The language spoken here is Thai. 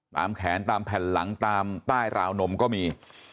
ตามแขนตามแผ่นหลังตามใต้ราวนมก็มี